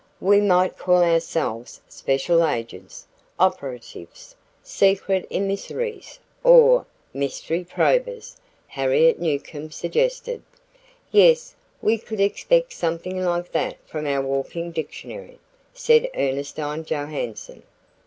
"We might call ourselves special agents, operatives, secret emissaries, or mystery probers," Harriet Newcomb suggested. "Yes, we could expect something like that from our walking dictionary," said Ernestine Johanson.